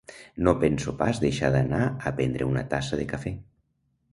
No penso pas deixar d'anar a prendre una tassa de cafè